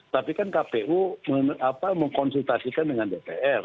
tapi kan kpu mengkonsultasikan dengan dpr